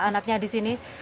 anaknya di sini